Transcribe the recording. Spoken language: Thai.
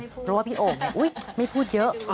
เพราะว่าพี่โอ่งไม่พูดเยอะ